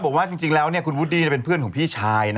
บอกว่าจริงแล้วคุณวูดดี้เป็นเพื่อนของพี่ชาย